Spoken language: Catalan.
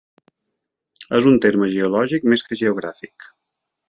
És un terme geològic més que geogràfic.